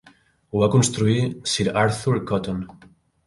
Ho va construir Sir Arthur Cotton.